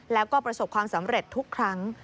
แล้วก็ประสบความสำเร็จทุกครั้ง